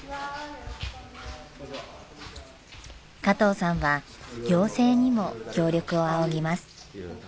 加藤さんは行政にも協力を仰ぎます。